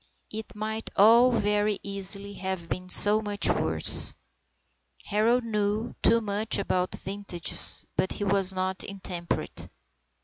It might all very easily have been so much worse. Harold knew too much about vintages, but he was not intemperate.